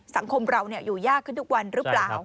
สังคมเราอยู่ยากขึ้นทุกวันหรือเปล่า